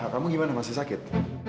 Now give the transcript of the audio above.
kamu gimana masih sakit